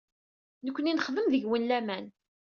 Nekkni ad nexdem deg-wen laman.